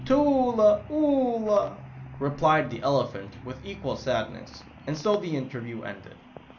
"Tula Oolah," replied the elephant with equal sadness, and so the interview ended.